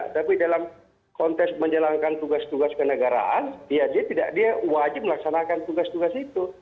tapi dalam konteks menjelangkan tugas tugas penegaraan dia wajib melaksanakan tugas tugas itu